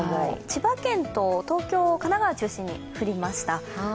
千葉県と東京、神奈川中心に降りました。